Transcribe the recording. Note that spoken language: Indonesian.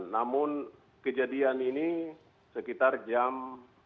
namun kejadian ini sekitar jam dua puluh empat